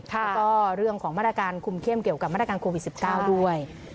แล้วก็เรื่องของมาตรการคุมเข้มเกี่ยวกับมาตรการโควิด๑๙ด้วย